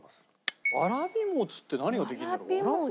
わらび餅って何ができるんだろう？